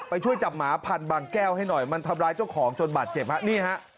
ช่วยจับหมาพันบางแก้วให้หน่อยมันทำร้ายเจ้าของจนบาดเจ็บฮะนี่ฮะ